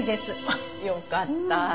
あっよかった。